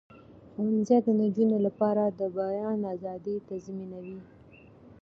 ښوونځي د نجونو لپاره د بیان آزادي تضمینوي.